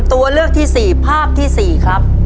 ตัวเลือกที่สี่ภาพที่สี่ครับ